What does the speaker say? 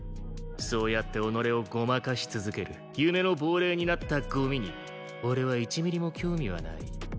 そうやって己をごまかし続ける夢の亡霊になったゴミに俺は１ミリも興味はない。